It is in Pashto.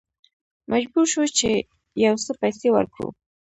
مجبور شوو چې یو څه پیسې ورکړو.